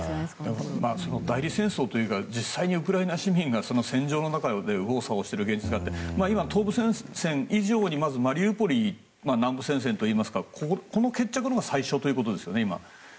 代理戦争というか実際にウクライナ市民が戦場の中で右往左往している現実があって今、東部戦線以上にマリウポリの決着のほうが最初ということですよね。